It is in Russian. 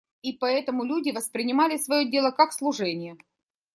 И поэтому люди воспринимали свое дело как служение.